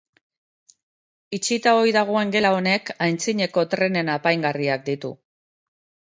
Itxita ohi dagoen gela honek aintzineko trenen apaingarriak ditu.